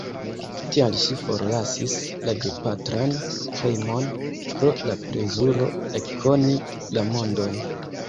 Tial ŝi forlasis la gepatran hejmon, pro la plezuro ekkoni la mondon.